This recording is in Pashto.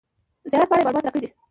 زیارت په اړه یې معلومات راکړي دي.